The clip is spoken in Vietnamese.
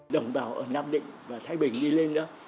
đồng bào ở nam định và thái bình đi lên nữa